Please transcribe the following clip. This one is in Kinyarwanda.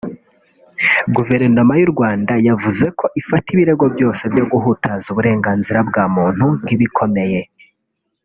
Guverinoma y’ u Rwanda yavuze ko ifata ibirego byose byo guhutaza uburenganzira bwa muntu nk’ ibikomeye